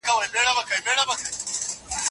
پشه خانه استعمال کړئ.